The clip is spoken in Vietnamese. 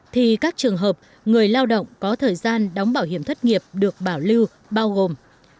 thì các trường hợp người lao động có thời gian đóng bảo hiểm thất nghiệp được bảo lưu bao gồm